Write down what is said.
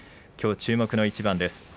きょう注目の一番です。